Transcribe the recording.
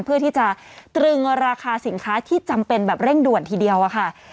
เพื่อที่จะตรึงราคาสินค้าที่จำเป็นแบบเร่งด่วนทีเดียวอะค่ะ